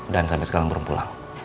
dan sampe sekarang belum pulang